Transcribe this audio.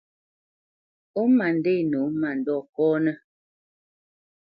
Ó ma ndê nǒ mandɔ̂ kɔ́nə́.